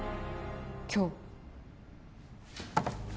今日？